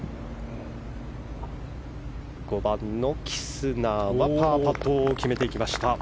５番のキスナーはパーパットを決めました。